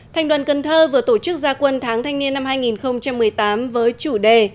thành đoàn cần thơ vừa tổ chức gia quân tháng thanh niên năm hai nghìn một mươi tám với chủ đề